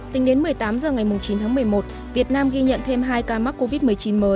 tính đến một mươi tám h ngày chín tháng một mươi một việt nam ghi nhận thêm hai ca mắc covid một mươi chín mới